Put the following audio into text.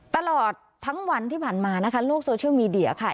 ตลอดทั้งวันที่ผ่านมานะคะโลกโซเชียลมีเดียค่ะ